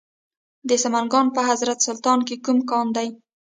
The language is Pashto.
د سمنګان په حضرت سلطان کې کوم کان دی؟